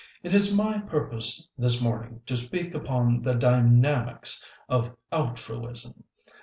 "It is my purpose this morning to speak upon the dynamics of altruism.